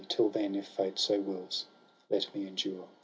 Till then, if fate so wills, let me endure.'